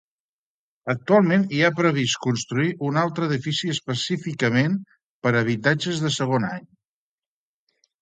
Actualment hi ha previst construir un altre edifici específicament per a habitatges de segon any.